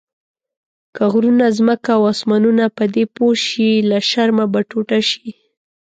که غرونه، ځمکه او اسمانونه پدې پوه شي له شرمه به ټوټه شي.